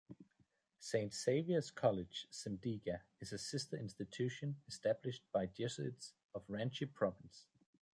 Saint Xavier's College, Simdega is a sister institution established by Jesuits of Ranchi province.